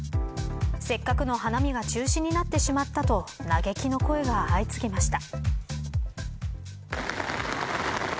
せっかくの花見が中止になってしまったと嘆きの声が相次ぎました。